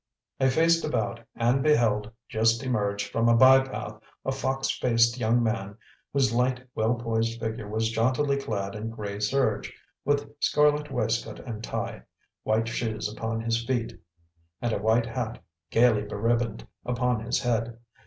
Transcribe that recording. I faced about and beheld, just emerged from a by path, a fox faced young man whose light, well poised figure was jauntily clad in gray serge, with scarlet waistcoat and tie, white shoes upon his feet, and a white hat, gaily beribboned, upon his head.